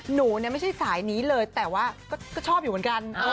หนูเนี่ยไม่ใช่สายนี้เลยแต่ว่าก็ชอบอยู่เหมือนกัน